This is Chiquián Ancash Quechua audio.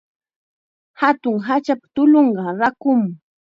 Hatun hachapa tullunqa rakum.